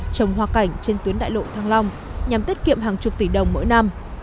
trồng hoa cảnh trên tuyến đại lộ thăng long nhằm tiết kiệm hàng chục tỷ đồng mỗi năm